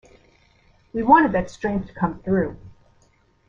We wanted that strength to come through.